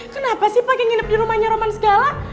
kenapa sih pagi nginep di rumahnya roman segala